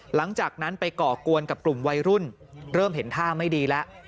หลังจากนั้นไปก่อกวนกับกลุ่มวัยรุ่นเริ่มเห็นท่าไม่ดีแล้ว